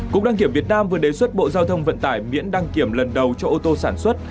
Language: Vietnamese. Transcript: cục đăng kiểm việt nam vừa đề xuất bộ giao thông vận tải miễn đăng kiểm lần đầu cho ô tô sản xuất